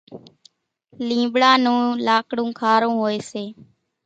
لينٻڙا نون لاڪڙون کارون هوئيَ سي۔